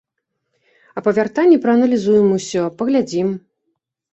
А па вяртанні прааналізуем усё, паглядзім.